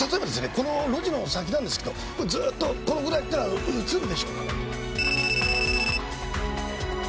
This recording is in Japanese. この路地の先なんですけどずーっとこのぐらい行ったら映るんでしょうか？